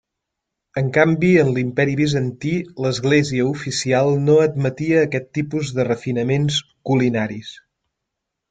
En canvi en l'imperi Bizantí l'església oficial no admetia aquest tipus de refinaments culinaris.